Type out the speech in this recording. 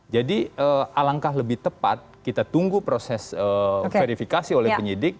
jadi alangkah lebih tepat kita tunggu proses verifikasi oleh penyidik